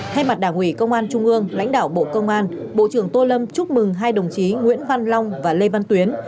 thay mặt đảng ủy công an trung ương lãnh đạo bộ công an bộ trưởng tô lâm chúc mừng hai đồng chí nguyễn văn long và lê văn tuyến